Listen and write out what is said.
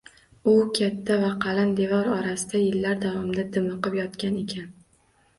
U katta va qalin devor orasida yillar davomida dimiqib yotgan ekan